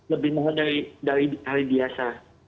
lebih mengenai dari hari biasa